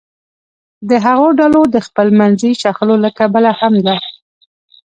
د هغو ډلو د خپلمنځي شخړو له کبله هم ده